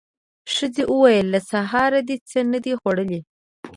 ښځې وويل: له سهاره دې څه نه دي خوړلي.